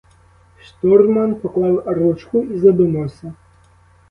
Штурман поклав ручку і задумався.